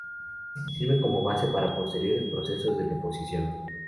Este sirve como base para posteriores procesos de deposición.